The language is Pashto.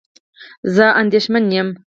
زه اندېښمن یم